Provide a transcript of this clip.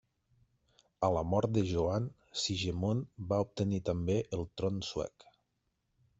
A la mort de Joan, Segimon va obtenir també el tron suec.